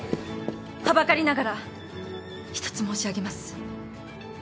はばかりながら一つ申し上げます。